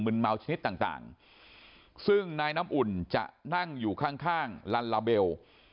มึนเมาชนิดต่างซึ่งนายน้ำอุ่นจะนั่งอยู่ข้างลัลลาเบล